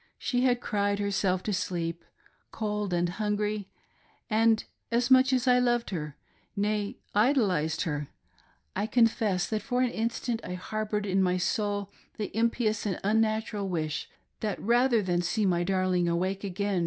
She had cried herself to sleep, cold and hungry, and much as I loved her — nay, idolised her — I confess that for an instant, I harbored in my soul the impious, the unnatural wish, that rather than see my darling awake again